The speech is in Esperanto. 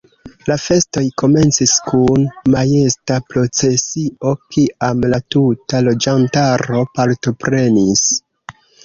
La festoj komencis kun majesta procesio kiam la tuta loĝantaro partoprenis.